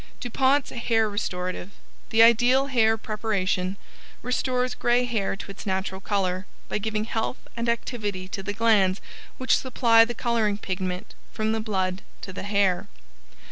] DUPONTS HAIR RESTORATIVE, the ideal hair preparation, restores gray hair to its natural color, by giving health and activity to the glands which supply the coloring pigment from the blood to the hair.